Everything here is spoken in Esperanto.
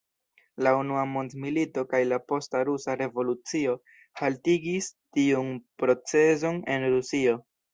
La unua mondmilito kaj la posta rusa revolucio haltigis tiun proceson en Rusio.